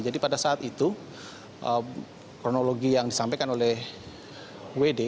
jadi pada saat itu kronologi yang disampaikan oleh wd